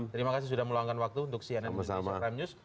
terima kasih sudah meluangkan waktu untuk cnn news dan krimenews